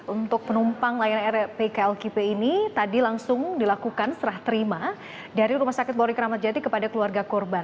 untuk penumpang layan rmp klkp ini tadi langsung dilakukan setelah terima dari rumah sakit polri keramat jati kepada keluarga korban